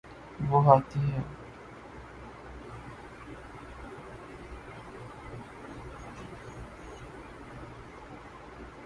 وہ ہاتھی ہے